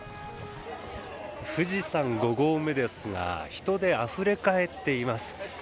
富士山５合目ですが人であふれ返っています。